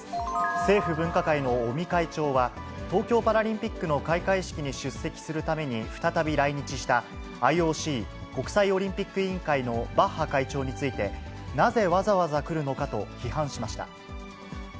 政府分科会の尾身会長は、東京パラリンピックの開会式に出席するために再び来日した、ＩＯＣ・国際オリンピック委員会のバッハ会長について、なぜ、わざわざ来るのかと批判しました。